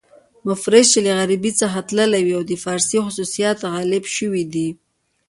مفرس چې له عربي څخه تللي وي او د فارسي خصوصیات غالب شوي دي.